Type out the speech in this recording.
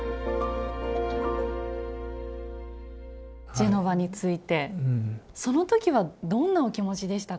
ジェノバに着いてその時はどんなお気持ちでしたか？